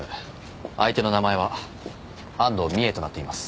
相手の名前は「安藤美絵」となっています。